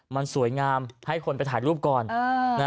มันสวยงามให้คนไปถ่ายรูปก่อน